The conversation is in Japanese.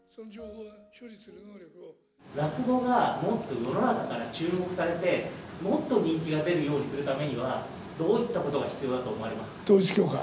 落語がもっと世の中から注目されて、もっと人気が出るようにするためには、どういったことが必要だと思われますか。